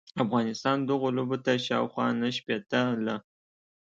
افغانستان دغو لوبو ته شاوخوا نهه شپیته ل